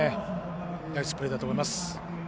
ナイスプレーだと思います。